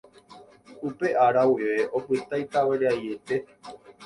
Upe ára guive opyta itavyraiete.